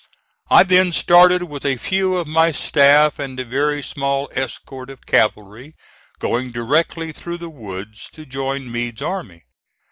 I then started with a few of my staff and a very small escort of cavalry, going directly through the woods, to join Meade's army.